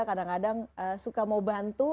kadang kadang suka mau bantu